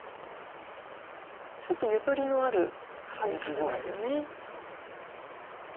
ちょっとゆとりのあるハサミ方ですよね。